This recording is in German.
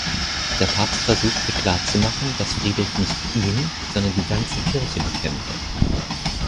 Der Papst versuchte klarzumachen, dass Friedrich nicht ihn, sondern die ganze Kirche bekämpfe.